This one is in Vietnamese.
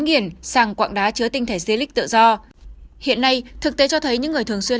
nghiền sàng quặng đá chứa tinh thể si lịch tự do hiện nay thực tế cho thấy những người thường xuyên